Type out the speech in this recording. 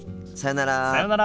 さようなら。